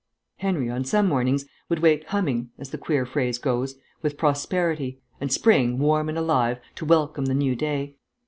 Henry, on some mornings, would wake humming (as the queer phrase goes) with prosperity, and spring, warm and alive, to welcome the new day.